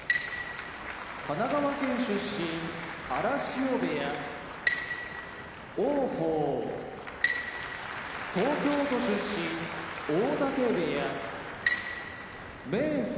神奈川県出身荒汐部屋王鵬東京都出身大嶽部屋明生